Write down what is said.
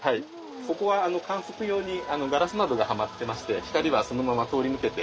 ここは観測用にガラス窓がはまってまして光はそのまま通り抜けて。